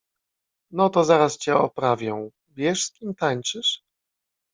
No to zaraz cię oprawię. Wiesz z kim tańczysz?